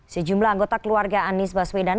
sejumlah anggota keluarga anies baswedan